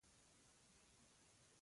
وېس مهربان هم راغی.